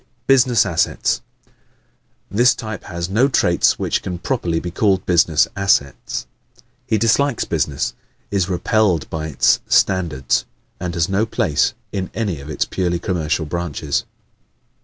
Business Assets ¶ This type has no traits which can properly be called business assets. He dislikes business, is repelled by its standards and has no place in any of its purely commercial branches.